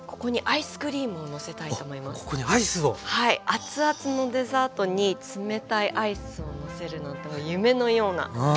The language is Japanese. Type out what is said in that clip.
熱々のデザートに冷たいアイスをのせるのって夢のようなはい。